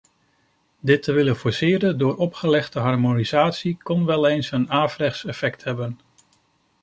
Dit te willen forceren door opgelegde harmonisatie kon wel eens een averechts effect hebben.